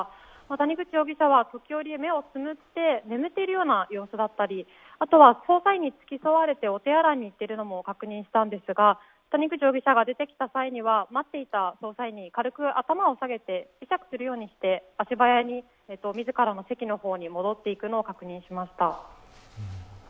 谷口容疑者は時折、目をつむって眠っているような様子だったりあとは捜査員に付き添われて、お手洗いに行っているのも確認したんですが谷口容疑者が出てきた際には、待っていた捜査員に軽く頭を下げて、会釈するようにして足早に自らの席の方に戻っていくのを確認しました。